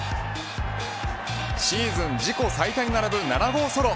シーズン自己最多に並ぶ７号ソロ。